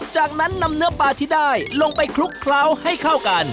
จากนั้นนำเนื้อปลาที่ได้ลงไปคลุกเคล้าให้เข้ากัน